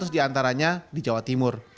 tiga ratus di antaranya di jawa timur